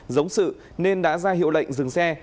giống sự nên đã ra hiệu lệnh dừng xe